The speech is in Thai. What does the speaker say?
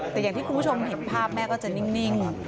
แต่อย่างที่คุณผู้ชมเห็นภาพแม่ก็จะนิ่ง